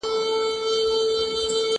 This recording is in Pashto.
زه پرون سندري واورېدلې!؟